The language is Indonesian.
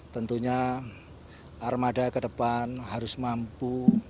tentunya armada ke depan harus mampu